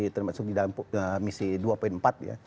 termasuk di dalam misi dua empat ya